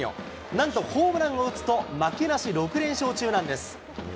なんとホームランを打つと、負けなし６連勝中なんです。